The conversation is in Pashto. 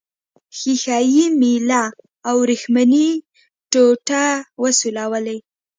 ښيښه یي میله او وریښمینه ټوټه وسولوئ.